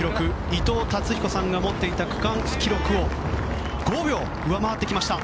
伊藤達彦さんが持っていた区間記録を５秒上回ってきました。